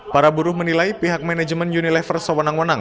para buruh menilai pihak manajemen unilever sewenang wenang